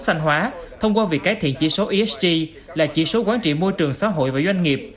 xanh hóa thông qua việc cải thiện chỉ số esg là chỉ số quán trị môi trường xã hội và doanh nghiệp